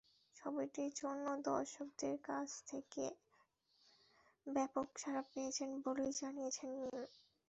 ছবিটির জন্য দর্শকদের কাছ থেকে ব্যাপক সাড়া পেয়েছেন বলেই জানিয়েছেন মিম।